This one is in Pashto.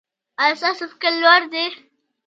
ایا ستاسو فکر لوړ دی؟